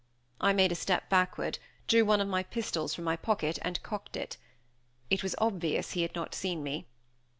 I made a step backward, drew one of my pistols from my pocket, and cocked it. It was obvious he had not seen me.